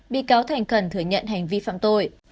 bị cáo thành cần thừa nhận hành vi phạm tội